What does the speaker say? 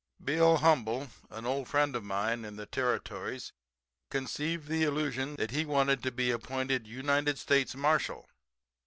"Bill Humble, an old friend of mine in the Territories, conceived the illusion that he wanted to be appointed United States Marshall.